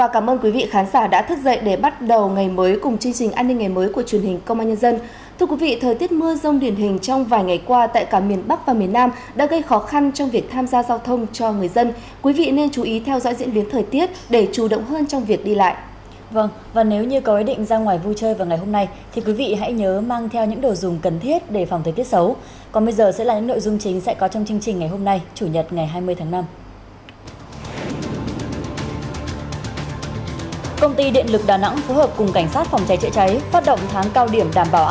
chào mừng quý vị đến với bộ phim hãy nhớ like share và đăng ký kênh của chúng mình nhé